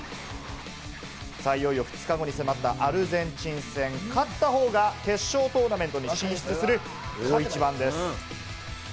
さぁ、いよいよ２日後に迫ったアルゼンチン戦、勝った方が決勝トーナメントに進出する大一番です。